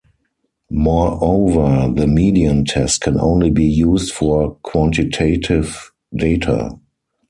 Moreover, the median test can only be used for quantitative data.